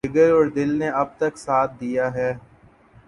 جگر اور دل نے اب تک ساتھ دیا ہے۔